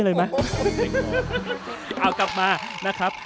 เอากลับมานะครับ